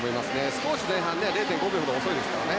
少し前半０．５秒ぐらい遅いですからね。